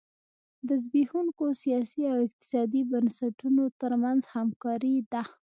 د زبېښونکو سیاسي او اقتصادي بنسټونو ترمنځ همکاري ده.